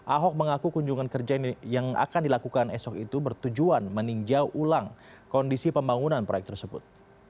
ahok mengaku kunjungan kerja yang akan dilakukan esok itu bertujuan meninjau ulang kondisi pembangunan proyek tersebut